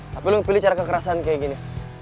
tapi lu pilih cara kekerasan kayak gini